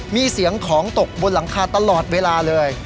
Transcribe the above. มีเสียงของตกบนหลังคาตลอดเวลาเลย